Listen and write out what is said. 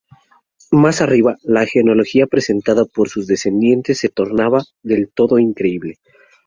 Más arriba, la genealogía presentada por sus descendientes se torna del todo increíble.